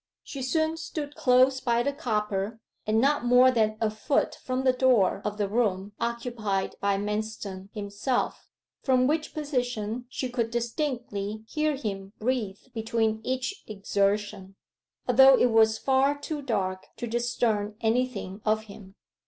She soon stood close by the copper, and not more than a foot from the door of the room occupied by Manston himself, from which position she could distinctly hear him breathe between each exertion, although it was far too dark to discern anything of him.